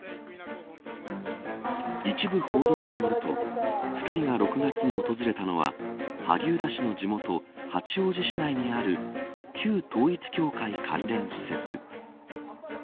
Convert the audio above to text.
一部報道によると２人が６月に訪れたのは萩生田氏の地元、八王子市内にある旧統一教会関連施設。